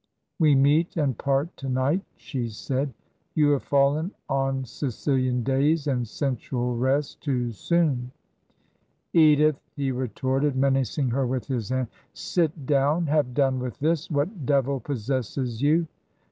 ... We meet and part to night,' she said. ' You have fallen on Sicilian days and sensual rest, too soon.' 'Edith I' he retorted, menacing her with his hand ' Sit down I Have done with this I What devil possesses you?'